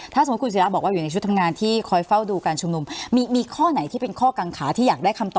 ถ้าสมมุติคุณสิราบอกว่าอยู่ในชุดทำงานที่คอยเฝ้าดูการชำนวม